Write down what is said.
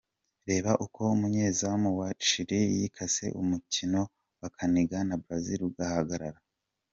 Reba uko umunyezamu wa Chili yikase umukino bakinaga na Brazil ugahagarara.